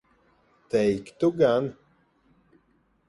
Teiktu gan.